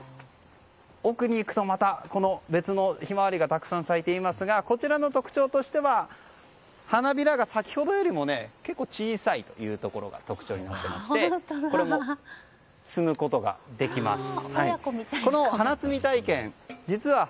奥に行くとまた別のヒマワリがたくさん咲いていますがこちらの特徴としては花びらが先ほどよりも結構小さいというところが特徴になっていましてこれも摘むことができます。